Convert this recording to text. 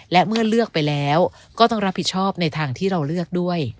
และเมื่อเลือกไปแล้วก็ต้องรับผิดชอบในทางที่เราเลือกด้วย